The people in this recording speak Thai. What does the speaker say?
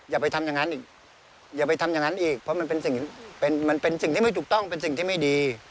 อย่าไปทำอย่างนั้นอีกเพราะมันเป็นสิ่งที่ไม่ถูกต้องเป็นสิ่งที่ไม่ดี